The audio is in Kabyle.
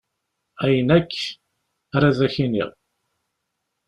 Ayen akk, ar ad ak-iniɣ.